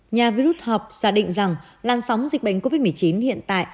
nhà vi rút học xả định rằng làn sóng dịch bệnh covid một mươi chín hiện tại